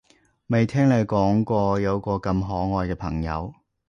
未聽你講過有個咁可愛嘅朋友